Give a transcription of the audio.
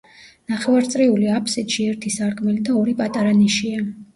ნახევარწრიული აფსიდში ერთი სარკმელი და ორი პატარა ნიშია.